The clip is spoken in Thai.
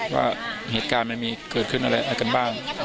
ว่าเหตุการณ์มันมีเกิดขึ้นอะไรกันบ้าง